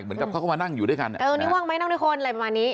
เหมือนกับเขาก็มานั่งอยู่ด้วยกันอ่ะเออนี่ว่างไหมนั่งด้วยคนอะไรประมาณนี้